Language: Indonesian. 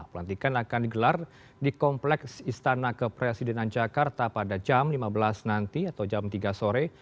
pelantikan akan digelar di kompleks istana kepresidenan jakarta pada jam lima belas nanti atau jam tiga sore